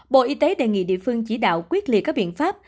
bộ y tế đề nghị địa phương chỉ đạo quyết liệt các biện pháp